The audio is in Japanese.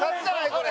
これ。